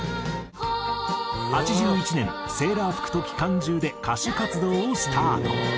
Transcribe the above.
８１年『セーラー服と機関銃』で歌手活動をスタート。